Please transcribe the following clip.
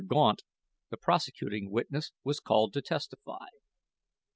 Gaunt, the prosecuting witness, was called to testify.